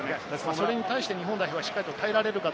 それに対して日本代表は耐えられるか。